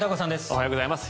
おはようございます。